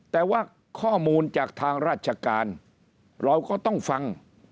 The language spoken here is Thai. แต่ว่าข้อมูลจากทางราชการเราก็ต้องฟัง